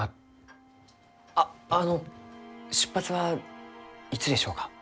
ああの出発はいつでしょうか？